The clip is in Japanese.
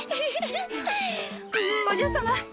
お嬢様！